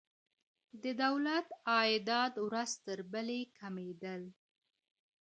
د دولت عایدات ورځ تر بلي کميدل.